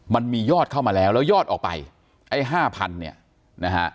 มันมียอดเข้ามาแล้วแล้วยอดออกไปไอ้ห้าพันเนี่ยนะฮะ